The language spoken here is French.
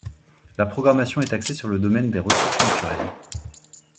La programmation est axée sur le domaine des ressources naturelles.